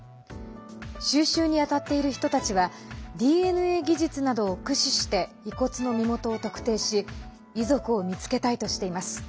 収集に当たっている人たちはＤＮＡ技術などを駆使して遺骨の身元を特定し遺族を見つけたいとしています。